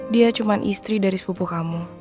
dia cuma istri dari sepupu kamu